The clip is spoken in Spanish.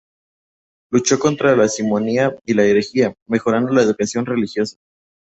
Luchó contra la simonía y la herejía, mejorando la educación religiosa.